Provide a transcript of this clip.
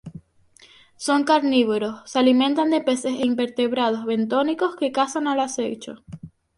Son carnívoros, se alimentan de peces e invertebrados bentónicos que cazan al acecho.